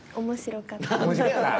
面白かった？